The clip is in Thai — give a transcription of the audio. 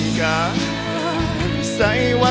สิบสี่ห้างหรือเศร้าสี่ห้างสี่จับมือกันอย่างว่าสันวา